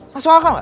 masuk akal gak